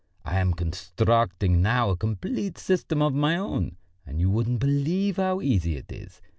I am constructing now a complete system of my own, and you wouldn't believe how easy it is!